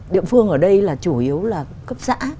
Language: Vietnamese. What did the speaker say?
địa phương ở đây là chủ yếu là cấp xã